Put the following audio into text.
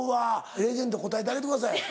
レジェンド答えてあげてください。